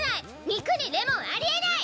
肉にレモンありえない！